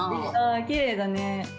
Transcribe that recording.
きれいだね。